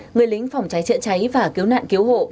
người lính phòng cháy chữa cháy và cứu nạn cứu hộ